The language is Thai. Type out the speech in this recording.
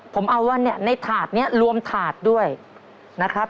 ผมเอาว่าเนี่ยในถาดนี้รวมถาดด้วยนะครับ